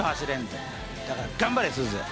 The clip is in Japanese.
だから頑張れすず。